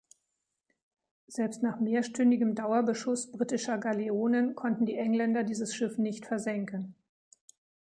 Selbst nach mehrstündigen Dauerbeschuss britischer Galeonen konnten die Engländer dieses Schiff nicht versenken.